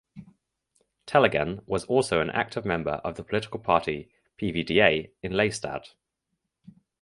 Tellegen was also an active member of the political party PvdA in Lelystad.